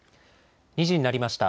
２時になりました。